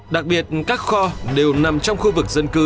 đặc biệt các kho đều nằm trong khu vực dân cư